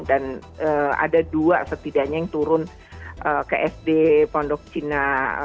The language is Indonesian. dan ada dua setidaknya yang turun ke sd pondok cina